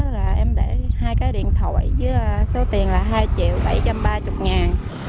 là em để hai cái điện thoại với số tiền là hai triệu bảy trăm ba mươi ngàn